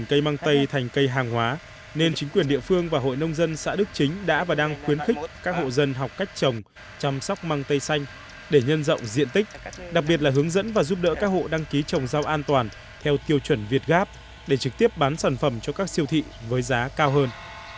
cây mang tây thành cây hàng hóa nên chính quyền địa phương và hội nông dân xã đức chính đã và đang khuyến khích các hộ dân học cách trồng chăm sóc măng tây xanh để nhân rộng diện tích đặc biệt là hướng dẫn và giúp đỡ các hộ đăng ký trồng rau an toàn theo tiêu chuẩn việt gáp để trực tiếp bán sản phẩm cho các siêu thị với giá cao hơn